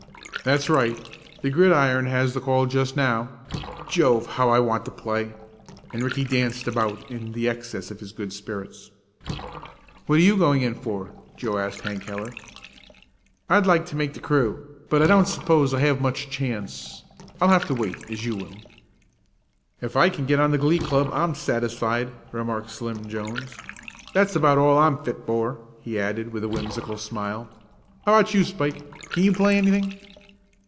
"That's right the gridiron has the call just now. Jove, how I want to play!" and Ricky danced about in the excess of his good spirits. "What are you going in for?" asked Joe of Hank Heller. "I'd like to make the crew, but I don't suppose I have much chance. I'll have to wait, as you will." "If I can get on the glee club, I'm satisfied," remarked Slim Jones. "That's about all I'm fit for," he added, with a whimsical smile. "How about you, Spike? Can you play anything?"